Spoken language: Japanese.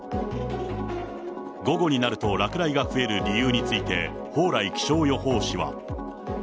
午後になると、落雷が増える理由について、蓬莱気象予報士は。